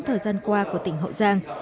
thời gian qua của tỉnh hậu giang